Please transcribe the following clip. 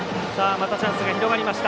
またチャンスが広がりました。